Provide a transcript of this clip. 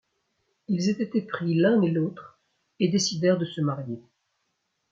Ils étaient épris l'un et l'autre et décidèrent de se marier.